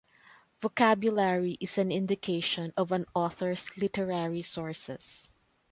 Vocabulary is an indication of an author's literary sources.